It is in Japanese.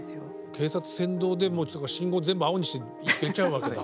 警察先導で信号全部青にして行けちゃうわけだ。